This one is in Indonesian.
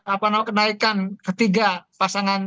apa namanya kenaikan ketiga pasangan